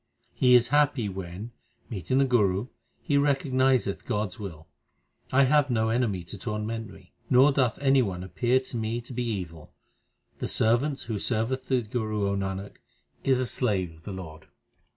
He is happy when, meeting the Guru, he recognizeth God s will. I have no enemy to torment me, nor doth any one appear to me to be evil. 1 The servant who serveth the Guru, O Nanak, is a slave of the Lord.